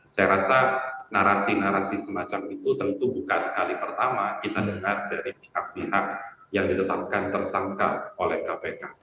saya rasa narasi narasi semacam itu tentu bukan kali pertama kita dengar dari pihak pihak yang ditetapkan tersangka oleh kpk